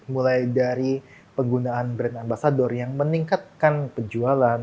mulai dari penggunaan brand ambasador yang meningkatkan penjualan